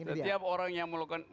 setiap orang yang melakukan